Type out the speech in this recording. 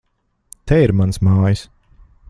Te ir manas mājas!